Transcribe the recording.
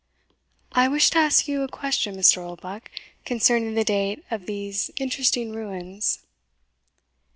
"I wished to ask you a question, Mr. Oldbuck, concerning the date of these interesting ruins."